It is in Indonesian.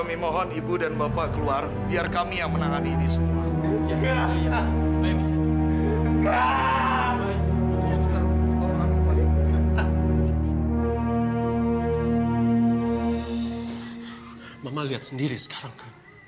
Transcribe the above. mama lihat sendiri sekarang kak